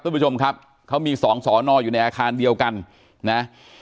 คุณผู้ชมครับเขามีสองสอนออยู่ในอาคารเดียวกันนะ